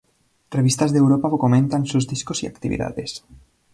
Revistas de Europa comentan sus discos y actividades.